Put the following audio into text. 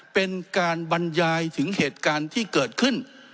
เป็นการบรรยายถึงเหตุการณ์ที่เกิดขึ้น